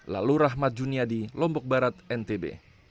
lalu rahmat juniadi lombok barat ntb